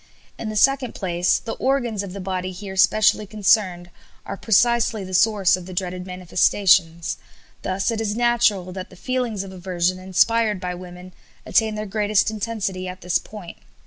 In the second place, the organs of the body here specially concerned are precisely the source of the dreaded manifestations. Thus it is natural that the feelings of aversion inspired by women attain their greatest intensity at this point.